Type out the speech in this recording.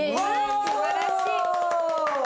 すばらしい！